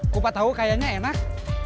ku patah tau kayanya enak